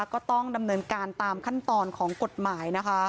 ก็ต้องดำเนินการตามขั้นตอนของกฎหมายนะคะ